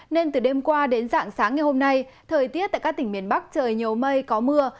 nên từ đêm qua đến dạng sáng ngày hôm nay thời tiết tại các tỉnh miền bắc trời nhiều mây có mưa